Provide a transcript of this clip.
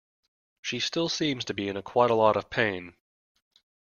She still seems to be in quite a lot of pain.